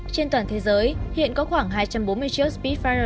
trên toàn thế giới hiện có khoảng hai trăm bốn mươi chiếc spitfire